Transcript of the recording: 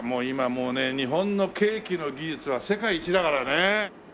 今もうね日本のケーキの技術は世界一だからね。